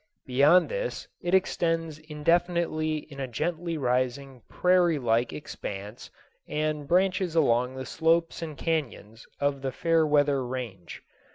Beyond this it extends indefinitely in a gently rising prairie like expanse, and branches along the slopes and cañons of the Fairweather Range.